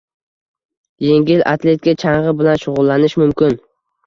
Yengil atletika, chang‘i bilan shug‘ullanish mumkin.